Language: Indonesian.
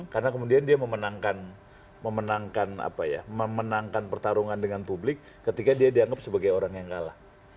karena kemudian dia memenangkan memenangkan apa ya memenangkan pertarungan dengan publik ketika dia dianggap sebagai orang yang kalah